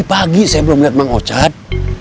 iya bang nanti begitu gajian langsung saya beli